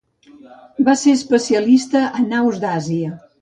Va ser especialista en aus d'Àsia.